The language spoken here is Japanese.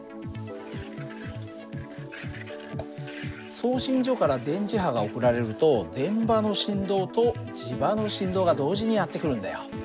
送信所から電磁波が送られると電場の振動と磁場の振動が同時にやって来るんだよ。